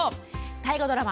大河ドラマ